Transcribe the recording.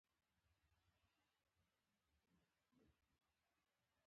د کابل په ګلدره کې د ګرانیټ نښې شته.